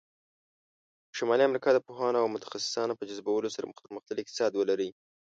شمالي امریکا د پوهانو او متخصصانو په جذبولو سره پرمختللی اقتصاد ولری.